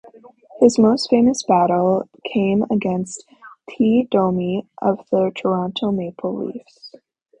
His most famous battle came against Tie Domi of the Toronto Maple Leafs.